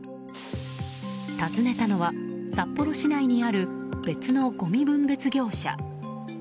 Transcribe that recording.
訪ねたのは札幌市内にある別のごみ分別業者。